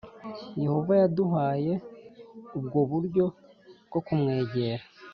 Yehova yaduhaye ubwo buryo bwo kumwegera